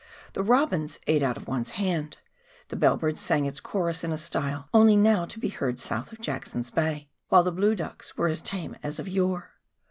... The robins ate out of one's hand ; the bell bird sang its chorus in a style only now to be heard south of Jackson's Bay ; while the blue ducks were as tame as of yore.